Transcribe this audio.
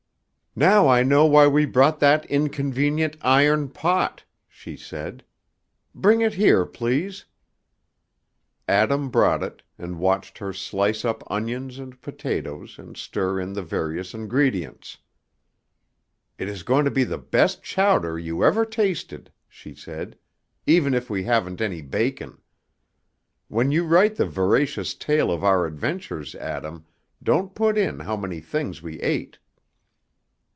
"Now I know why we brought that inconvenient iron pot," she said; "bring it here, please." Adam brought it, and watched her slice up onions and potatoes and stir in the various ingredients. "It is going to be the best chowder you ever tasted," she said, "even if we haven't any bacon. When you write the veracious tale of our adventures, Adam, don't put in how many things we ate."